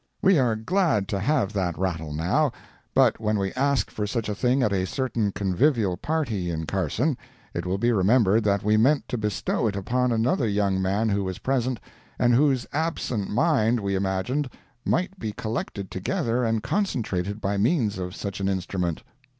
We are glad to have that rattle now, but when we asked for such a thing at a certain convivial party in Carson, it will be remembered that we meant to bestow it upon another young man who was present, and whose absent mind, we imagined, might be collected together and concentrated by means of such an instrument.